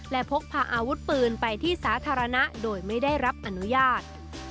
และพกพาอาวุธปืนไปที่สาธารณะโดยไม่ได้รับอนุญาต